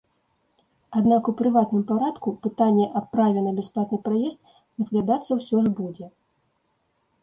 Аднак у прыватным парадку пытанне аб праве на бясплатны праезд разглядацца ўсё ж будзе.